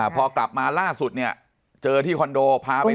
พอกลับมาล่าสุดเนี่ยเจอที่คอนโดผ่าไปทำหุ่น